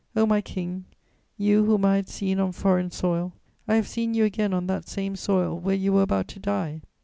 O my King, you whom I had seen on foreign soil, I have seen you again on that same soil where you were about to die!